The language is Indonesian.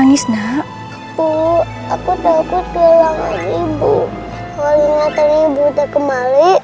ibu pasti ninggalin aku ya